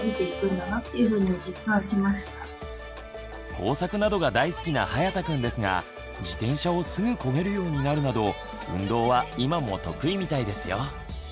工作などが大好きなはやたくんですが自転車をすぐこげるようになるなど運動は今も得意みたいですよ。